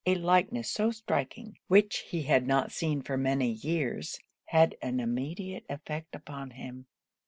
A likeness so striking, which he had not seen for many years, had an immediate effect upon him.